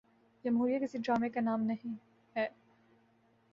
جمہوریت کسی ڈرامے کا نام نہیں ہے۔